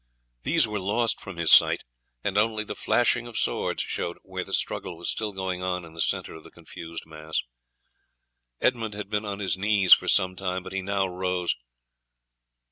These were lost from his sight, and only the flashing of swords showed where the struggle was still going on in the centre of the confused mass. Edmund had been on his knees for some time, but he now rose.